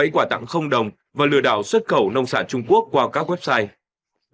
bảy quả tặng không đồng và lừa đảo xuất khẩu nông sản trung quốc qua các website